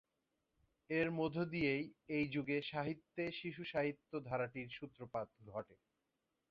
এর মধ্য দিয়েই এই যুগে সাহিত্যে শিশুসাহিত্য ধারাটির সূত্রপাত ঘটে।